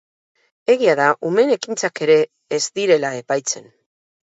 Egia da umeen ekintzak ere ez direla epaitzen.